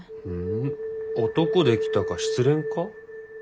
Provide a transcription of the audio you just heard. うん男できたか失恋か？